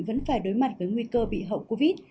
và đối mặt với nguy cơ bị hậu covid